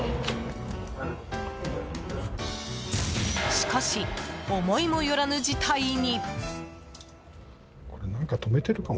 しかし、思いも寄らぬ事態に。